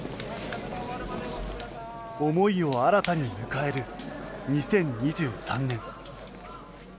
思いを新たに迎える２０２３年。